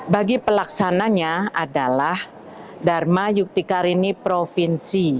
bagi pelaksananya adalah dharma yuktikarini provinsi